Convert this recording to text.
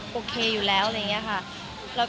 มีปิดฟงปิดไฟแล้วถือเค้กขึ้นมา